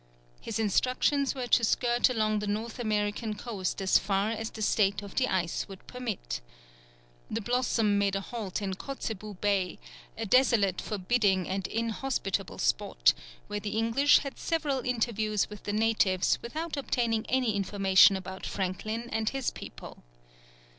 His instructions were to skirt along the North American coast as far as the state of the ice would permit. The Blossom made a halt in Kotzebue Bay, a desolate, forbidding, and inhospitable spot, where the English had several interviews with the natives without obtaining any information about Franklin and his people.